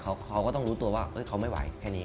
เขาก็ต้องรู้ตัวว่าเขาไม่ไหวแค่นี้